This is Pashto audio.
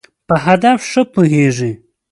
په هدف ښه پوهېږی.